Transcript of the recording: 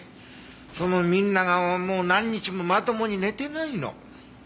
そのみんながもう何日もまともに寝てないの。